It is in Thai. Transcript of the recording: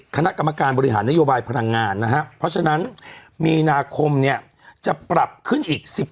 คณะกรรมการบริหารนโยบายพลังงานนะครับเพราะฉะนั้นมีนาคมเนี่ยจะปรับขึ้นอีก๑๕